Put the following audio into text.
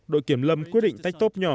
đội kiểm lâm quyết định tách tốp nhỏ